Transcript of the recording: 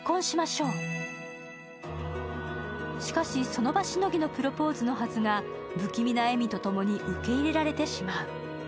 しかし、その場しのぎのプロポーズのはずが、不気味な笑みとともに受け入れられてしまう。